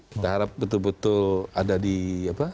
kita harap betul betul ada di apa